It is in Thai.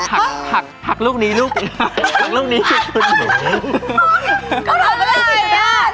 หักหักหักลูกนี้ลูกหักลูกนี้คือคุณหนูเขาหักอะไรสี่จุดห้าหรอ